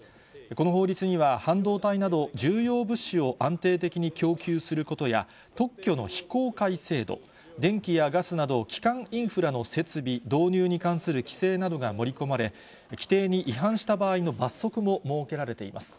この法律には、半導体など、重要物資を安定的に供給することや、特許の非公開制度、電気やガスなど、基幹インフラの設備、導入に関する規制などが盛り込まれ、規定に違反した場合の罰則も設けられています。